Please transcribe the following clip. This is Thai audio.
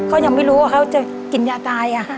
เขายังไม่รู้ว่าเขาจะกินยาตาย